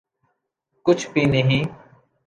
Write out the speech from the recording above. کچھ بھی نہیں۔